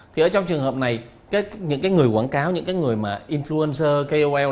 thì ở trong trường hợp này những người quảng cáo những người influencer kol